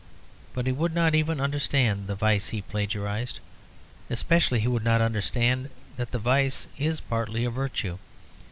But he would not even understand the vice he plagiarised: especially he would not understand that the vice is partly a virtue.